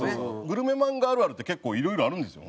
グルメ漫画あるあるって結構いろいろあるんですよ